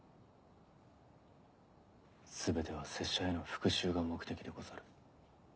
全ては拙者への復讐が目的でござる。